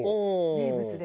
名物で。